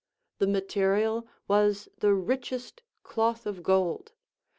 The material was the richest cloth of gold.